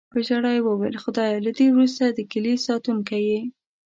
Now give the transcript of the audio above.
په ژړا یې وویل: "خدایه، له دې وروسته د کیلي ساتونکی یې".